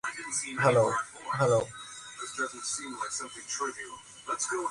The Section was inaugurated at the London Conference of the Society.